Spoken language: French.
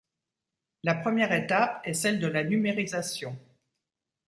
La première étape est celle de la numérisation.